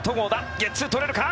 ゲッツー取れるか？